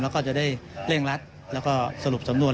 แล้วก็จะได้เร่งรัดแล้วก็สรุปสำนวน